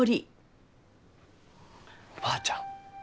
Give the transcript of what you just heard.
おばあちゃん。